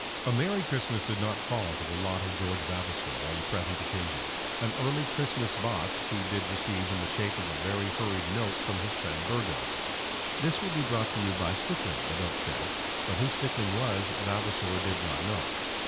A merry Christmas did not fall to the lot of George Vavasor on the present occasion. An early Christmas box he did receive in the shape of a very hurried note from his friend Burgo. "This will be brought to you by Stickling," the note said; but who Stickling was Vavasor did not know.